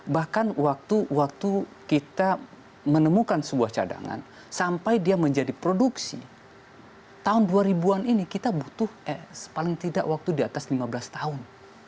bahkan waktu kita menemukan sebuah cadangan sampai dia menjadi produksi tahun dua ribu an ini kita butuh eh paling tidak waktu di atas lima belas tahun